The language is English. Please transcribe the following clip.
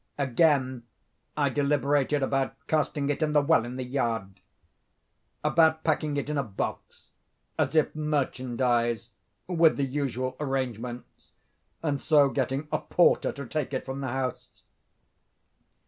Again, I deliberated about casting it in the well in the yard—about packing it in a box, as if merchandise, with the usual arrangements, and so getting a porter to take it from the house.